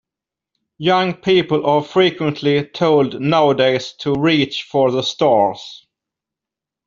Young people are frequently told nowadays to reach for the stars.